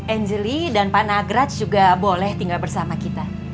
angeli dan pak nagraj juga boleh tinggal bersama kita